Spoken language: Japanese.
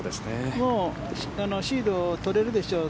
シードを取れるでしょう。